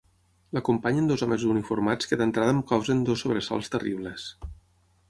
L'acompanyen dos homes uniformats que d'entrada em causen dos sobresalts terribles.